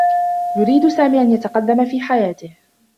يريد سامي أن يتقدّم في حياته.